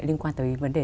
liên quan tới vấn đề